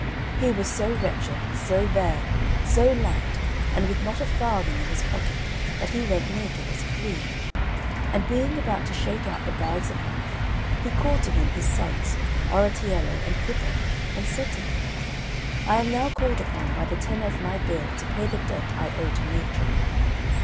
He was so wretched, so bare, so light, and with not a farthing in his pocket, that he went naked as a flea. And being about to shake out the bags of life, he called to him his sons, Oratiello and Pippo, and said to them, "I am now called upon by the tenor of my bill to pay the debt I owe to Nature.